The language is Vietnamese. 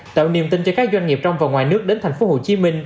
tạo niềm tin cho các doanh nghiệp trong và ngoài nước đến tp hcm